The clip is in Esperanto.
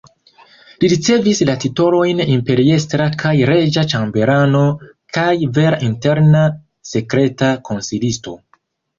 Li ricevis la titolojn imperiestra kaj reĝa ĉambelano kaj vera interna sekreta konsilisto.